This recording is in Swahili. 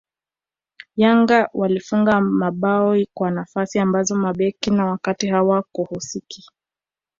Yanga walifunga mabao kwa nafasi ambazo mabeki wa kati hawakuhusiki